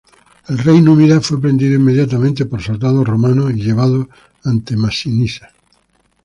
El rey númida fue prendido inmediatamente por soldados romanos y llevado ante Masinisa.